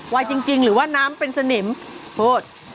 หรอไหลจริงหรือว่าน้ำเป็นสนิมเพิด